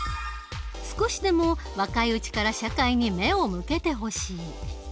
少しでも若いうちから社会に目を向けてほしい。